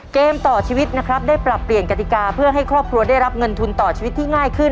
เกมต่อชีวิตนะครับได้ปรับเปลี่ยนกติกาเพื่อให้ครอบครัวได้รับเงินทุนต่อชีวิตที่ง่ายขึ้น